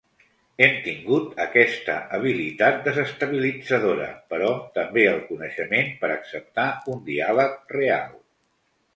Hem tingut aquesta habilitat desestabilitzadora, però també el coneixement per acceptar un diàleg real.